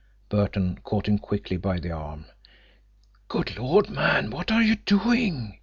Burton caught him quickly by the arm. "Good Lord, man, what are you doing?"